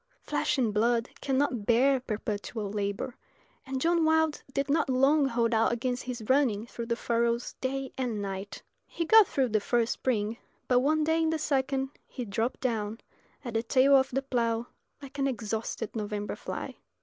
Flesh and blood cannot bear perpetual labour, and John Wilde did not long hold out against his running through the furrows day and night. He got through the first spring; but one day in the second he dropped down at the tail of the plough like an exhausted November fly.